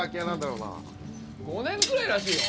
５年ぐらいらしいよ。